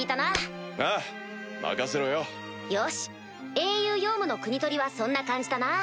英雄ヨウムの国盗りはそんな感じだな。